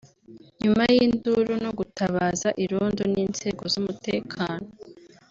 nyuma y’induru no gutabaza irondo n’inzego z’umutekano